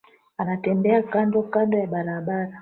Anatembea kando kando ya barabara